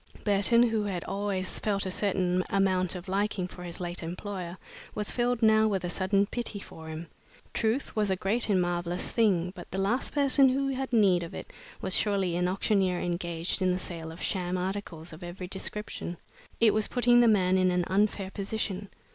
Burton, who had always felt a certain amount of liking for his late employer, was filled now with a sudden pity for him. Truth was a great and marvelous thing, but the last person who had need of it was surely an auctioneer engaged in the sale of sham articles of every description! It was putting the man in an unfair position.